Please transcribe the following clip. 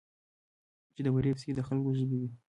چې د بورې پسې د خلکو ژبې وې.